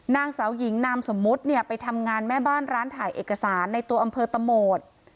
นางสาวหญิงนามสมมุติเนี่ยไปทำงานแม่บ้านร้านถ่ายเอกสารในตัวอำเภอตะโหมด